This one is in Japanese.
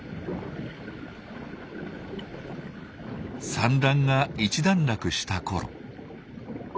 産卵が一段落したころ。